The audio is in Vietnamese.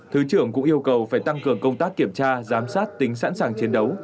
thứ trưởng cũng yêu cầu phải tăng cường công tác kiểm tra giám sát tính sẵn sàng chiến đấu